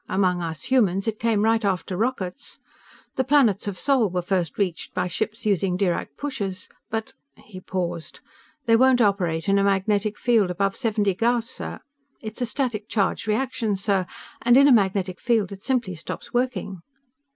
Among us humans, it came right after rockets. The planets of Sol were first reached by ships using Dirac pushers. But " He paused. "They won't operate in a magnetic field above seventy Gauss, sir. It's a static charge reaction, sir, and in a magnetic field it simply stops working."